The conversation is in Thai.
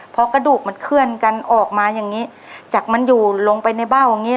พอกระดูกมันเคลื่อนกันออกมาอย่างนี้จากมันอยู่ลงไปในเบ้าอย่างงี้